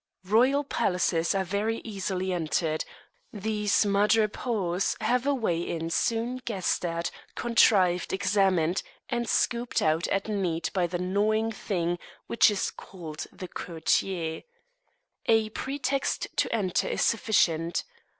Royal palaces are very easily entered; these madrepores have a way in soon guessed at, contrived, examined, and scooped out at need by the gnawing thing which is called the courtier. A pretext to enter is sufficient.